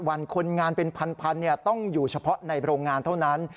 วันคนงานเป็นพันต้องอยู่เฉพาะในโรงงานเท่านั้น